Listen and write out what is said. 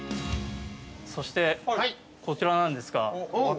◆そして、こちらなんですが。